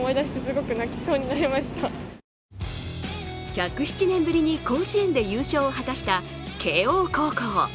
１０７年ぶりに甲子園で優勝を果たした慶応高校。